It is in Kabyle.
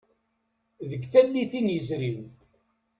Deg tallitin yezrin.